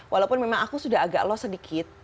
walaupun memang aku sudah agak low sedikit